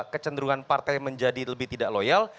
kecenderungan partai menjadi lebih tidak loyal